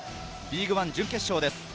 リーグワン準決勝です。